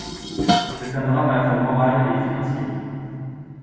C’est un drame à la fois moral et financier.